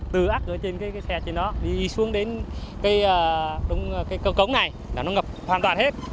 từ ác ở trên cái xe trên nó đi xuống đến cái cầu cống này là nó ngập hoàn toàn hết